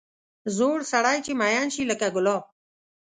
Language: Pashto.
زوړ سړی چې مېن شي لکه ګلاب.